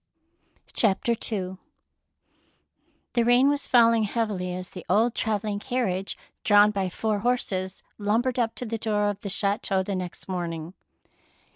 138 THE PEAKL NECKLACE II The rain was falling heavily as the old travelling carriage, drawn by four horses, lumbered up to the door of the chateau the next morning.